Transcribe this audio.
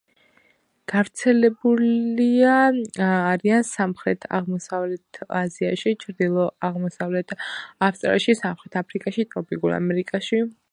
გავრცელებულია არიან სამხრეთ-აღმოსავლეთ აზიაში, ჩრდილო-აღმოსავლეთ ავსტრალიაში, სამხრეთ აფრიკაში, ტროპიკულ ამერიკაში.